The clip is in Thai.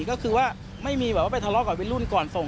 ก็คือว่าไม่มีไปทะเลาะกับวิลุ่นก่อนส่ง